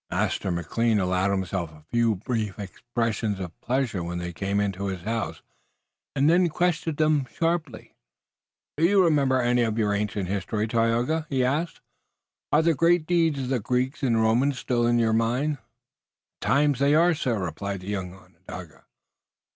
Master McLean allowed himself a few brief expressions of pleasure when they came into his house, and then questioned them sharply: "Do you remember any of your ancient history, Tayoga?" he asked. "Are the great deeds of the Greeks and Romans still in your mind?" "At times they are, sir," replied the young Onondaga.